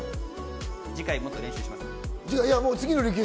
次回もっと練習します。